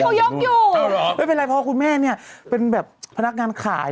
เออเหรอไม่เป็นไรครับพ่อคุณแม่นี่เป็นพนักงานขาย